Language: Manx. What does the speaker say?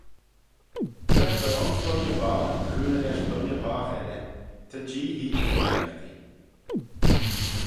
Tra ta un dooinney boght cooney lesh dooinney boght elley, ta Jee hene garaghtee